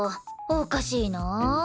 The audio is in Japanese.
おかしいなあ。